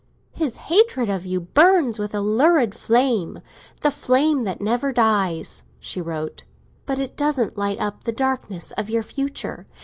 "His hatred of you burns with a lurid flame—the flame that never dies," she wrote. "But it doesn't light up the darkness of your future.